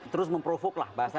terus memprovoke lah bahasa